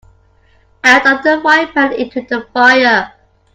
Out of the frying pan into the fire.